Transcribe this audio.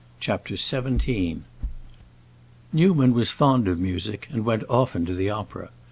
CHAPTER XVII Newman was fond of music and went often to the opera.